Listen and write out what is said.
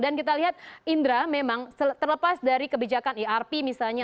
dan kita lihat indra memang terlepas dari kebijakan irp misalnya